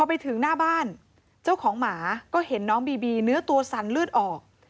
พอไปถึงหน้าบ้านเจ้าของหมาก็เห็นน้องบีบีเนื้อตัวสั่นเลือดออก